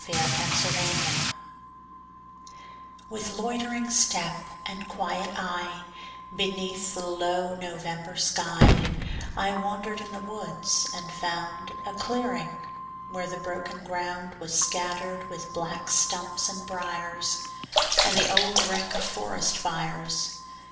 IN NOVEMBER With loitering step and quiet eye, Beneath the low November sky, I wandered in the woods, and found A clearing, where the broken ground Was scattered with black stumps and briers, And the old wreck of forest fires.